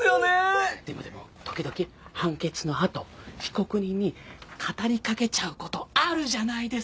でもでも時々判決のあと被告人に語りかけちゃう事あるじゃないですか。